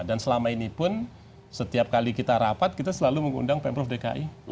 dan selama ini pun setiap kali kita rapat kita selalu mengundang pemprov dki